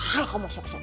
hah kamu sok sok